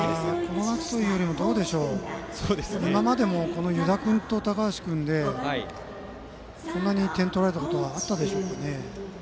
この夏というより今までも、湯田君と高橋君でこんなに点を取られたことがあったでしょうかね。